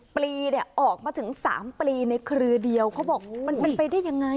ปลีเนี่ยออกมาถึง๓ปลีในเครือเดียวเขาบอกมันเป็นไปได้ยังไง